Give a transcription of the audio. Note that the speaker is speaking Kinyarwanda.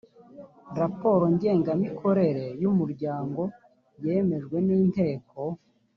raporo ngengamikorere y‘umuryango yemejwe n’inteko